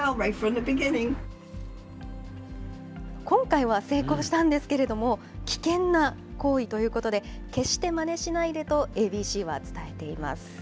今回は成功したんですけれども、危険な行為ということで、決してまねしないでと、ＡＢＣは伝えています。